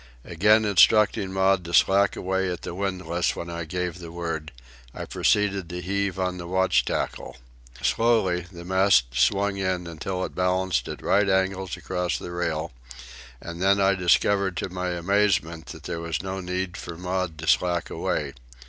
Again instructing Maud to slack away at the windlass when I gave the word, I proceeded to heave on the watch tackle. Slowly the mast swung in until it balanced at right angles across the rail; and then I discovered to my amazement that there was no need for Maud to slack away.